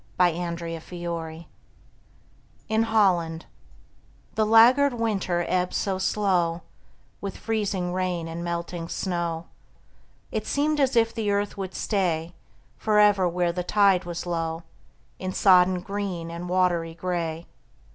FLOOD TIDE OF FLOWERS IN HOLLAND The laggard winter ebbed so slow With freezing rain and melting snow, It seemed as if the earth would stay Forever where the tide was low, In sodden green and watery gray.